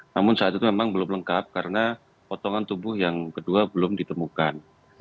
namun saat itu memang belum lengkap karena potongan tubuh yang kedua belum ditemukan